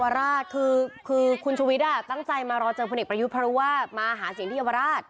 ราชคือคุณชุวิตตั้งใจมารอเจอพลเอกประยุทธ์เพราะว่ามาหาเสียงที่เยาวราช